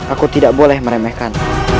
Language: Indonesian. aku tidak boleh meremehkan